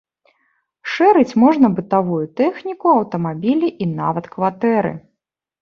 Шэрыць можна бытавую тэхніку, аўтамабілі і нават кватэры.